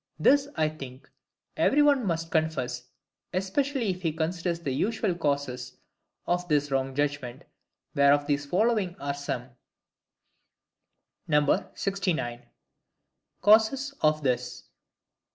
This I think every one must confess, especially if he considers the usual cause of this wrong judgment, whereof these following are some:— 69. Causes of this.